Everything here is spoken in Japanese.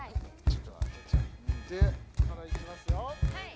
ちょっと開けちゃってからいきますよ